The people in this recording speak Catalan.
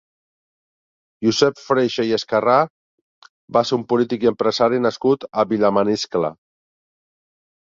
Josep Freixa i Escarrà va ser un polític i empresari nascut a Vilamaniscle.